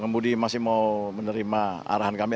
budi masih mau menerima arahan kami